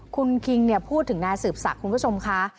คุณคิงพูดถึงนายสืบศักดิ์คุณผู้ชมค่ะ